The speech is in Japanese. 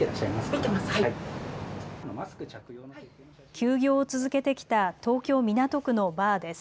休業を続けてきた東京港区のバーです。